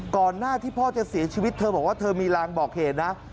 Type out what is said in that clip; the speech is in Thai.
ก่อนหน้าที่พ่อจะเสียชีวิตเธอบอกว่าเธอมีรางบอกเหตุนะ